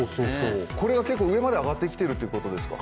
これは結構、上まで上がってきてるってことですか？